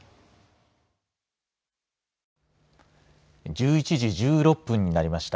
１１時１６分になりました。